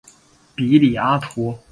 比里阿图。